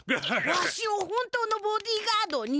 わしを本当のボディーガードに！？